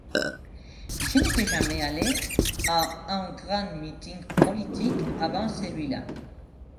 je n'étais jamais allé à un grand meeting politique avant celuilà.